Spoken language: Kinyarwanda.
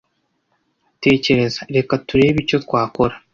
tekereza reka turebe icyo twakora